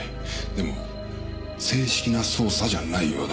でも正式な捜査じゃないようだ。